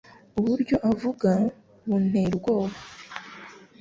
Uburyo avuga buntera ubwoba.